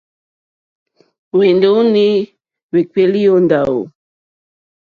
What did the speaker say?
Hwɛ́nɔ̀ní hwékpéélì ó ndáwò.